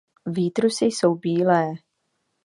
Výtrusy jsou bílé.